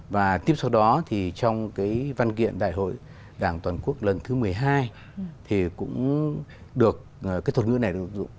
và tiếp sau đó thì trong cái văn kiện đại hội đảng toàn quốc lần thứ một mươi hai thì cũng được cái thuật ngữ này được dụng